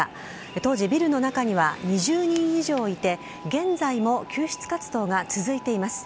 当時ビルの中には２０人以上いて現在も救出活動が続いています。